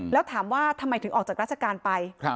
แล้วถามว่าทำไมถึงออกจากราชการไป